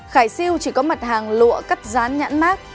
khải siêu chỉ có mặt hàng lụa cắt rán nhãn mát